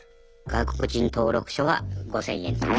外国人登録書は５，０００円とか。